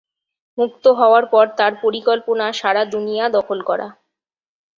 মুক্ত হওয়ার পর তার পরিকল্পনা সারা দুনিয়া দখল করা।